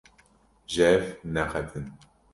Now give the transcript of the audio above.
Ji hev neqetin!